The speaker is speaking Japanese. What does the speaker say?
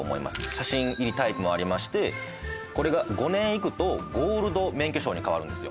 写真入りタイプもありましてこれが５年いくとゴールド免許証に変わるんですよ